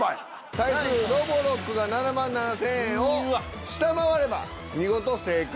対する「ロボロック」が７７，０００円を下回れば見事正解。